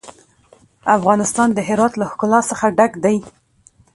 افغانستان د هرات له ښکلا څخه ډک دی.